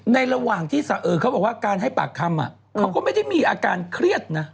ระหว่างที่เขาบอกว่าการให้ปากคำเขาก็ไม่ได้มีอาการเครียดนะ